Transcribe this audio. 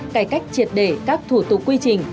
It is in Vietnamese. cải cách triệt đề các thủ tục quy trình